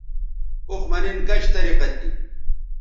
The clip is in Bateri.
اوخ مہ نِن کش طریقہ تھی